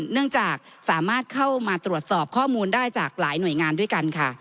เนื่องจากสามารถเข้ามาตรวจสอบข้อมูลได้จากหลายหน่วยงานด้วยกันค่ะ